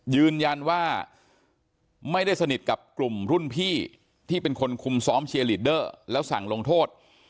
ยืนยันว่าไม่ได้สนิทกับกลุ่มรุ่นพี่ที่เป็นคนคุมซ้อมเชียร์ลีดเดอร์แล้วสั่งลงโทษ